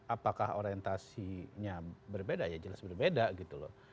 apakah orientasinya berbeda ya jelas berbeda gitu loh